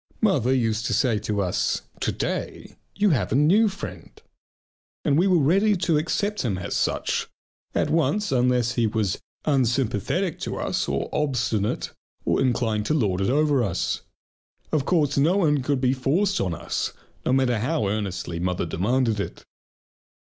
Mother used to say to us: "To day you have a new friend!" And we were ready to accept him as such at once unless he was unsympathetic to us or obstinate or inclined to lord it over us. Of course no one could be forced on us, no matter how earnestly mother demanded it.